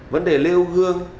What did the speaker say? vấn đề nêu gương